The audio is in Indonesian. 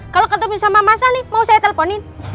kalau ketemu sama mas al nih mau saya teleponin